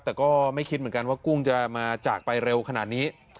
แต่ก็ไม่คิดเหมือนกันว่ากุ้งจะมาจากไปเร็วขนาดนี้